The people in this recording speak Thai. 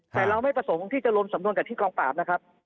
แต่เราไม่ประสงค์ที่จะรวมสำนวนกับที่กองปราบนะครับ